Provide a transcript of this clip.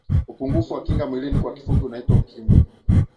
upungufu wa kinga mwilini kwa kifupi unaitwa ukimwi